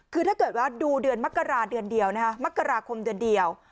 คือถ้าเกิดว่าดูเดือนมกราเดือนเดียวนะคะมกราคมเดือนเดียว